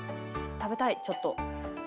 食べたいちょっと。